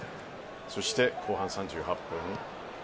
そして後半３８分。